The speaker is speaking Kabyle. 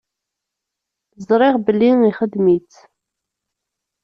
Ẓriɣ belli ixdem-itt.